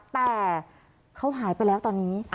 แต่เขาหายไปแล้วตอนนี้